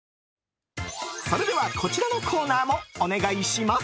それではこちらのコーナーもお願いします。